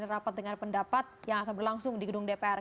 rapat dengar pendapat yang akan berlangsung di gedung dpr